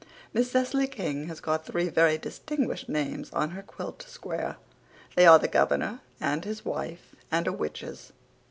Miss Cecily King has got three very distinguished names on her quilt square. They are the Governor and his wife and a witch's.